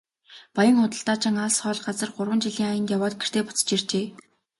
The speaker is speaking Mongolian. Баян худалдаачин алс хол газар гурван жилийн аянд яваад гэртээ буцаж иржээ.